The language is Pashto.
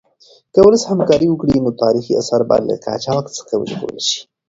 که ولس همکاري وکړي نو تاریخي اثار به له قاچاق څخه وژغورل شي.